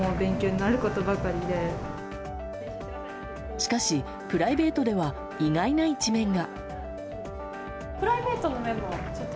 しかし、プライベートでは意外な一面が。